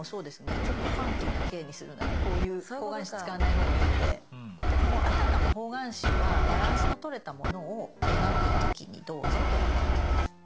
ちょっとファンキーな「Ｋ」にするならこういう方眼紙使わないほうがいいのであたかも方眼紙はバランスの取れたものを描く時にどうぞという感じです。